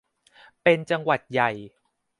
เป็นจังหวัดใหญ่